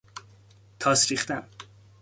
تاس ریختن